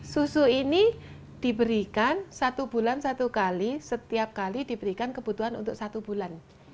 susu ini diberikan satu bulan satu kali setiap kali diberikan kebutuhan untuk satu bulan